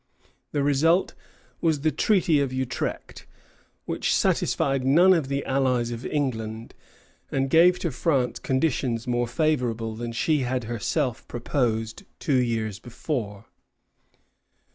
The result was the Treaty of Utrecht, which satisfied none of the allies of England, and gave to France conditions more favorable than she had herself proposed two years before.